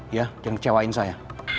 ya jangan kecewain saya